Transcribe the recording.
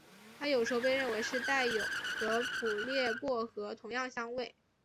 它有时候被认为是带有和普列薄荷同样香味。